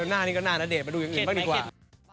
หน้านี้ก็หน้าณเดชนมาดูอย่างอื่นบ้างดีกว่า